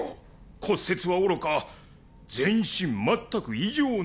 骨折はおろか全身全く異常なし。